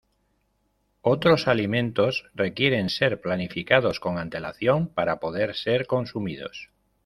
Otros alimentos requieren ser planificados con antelación para poder ser consumidos.